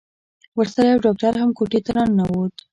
ورسره يو ډاکتر هم کوټې ته راننوت.